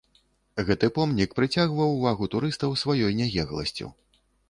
Гэты помнік прыцягваў увагу турыстаў сваёй нягегласцю.